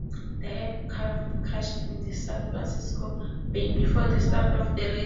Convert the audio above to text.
The aircraft crashed in the San Francisco Bay before the start of the race.